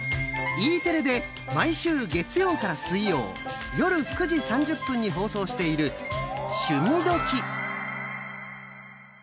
Ｅテレで毎週月曜から水曜夜９時３０分に放送している「趣味どきっ！」。